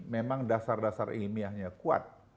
memang dasar dasar ilmiahnya kuat